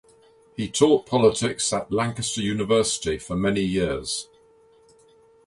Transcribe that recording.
He taught politics at Lancaster University for many years.